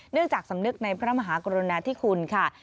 เนื่องจากสำนึกในพระมหากรณาที่คุณค่ะ